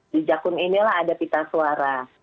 di jakun inilah ada pita suara